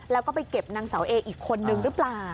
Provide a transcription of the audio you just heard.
แล้วก็ไปเก็บนางสาวเออีกคนนึงหรือเปล่า